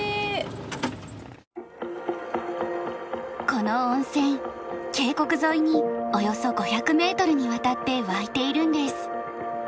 この温泉渓谷沿いにおよそ５００メートルにわたって湧いているんです。